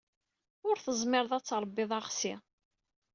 Ur tezmireḍ ad tṛebbiḍ aɣsi.